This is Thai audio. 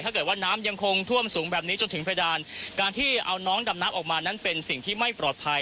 ถ้าเกิดว่าน้ำยังคงท่วมสูงแบบนี้จนถึงเพดานการที่เอาน้องดำน้ำออกมานั้นเป็นสิ่งที่ไม่ปลอดภัย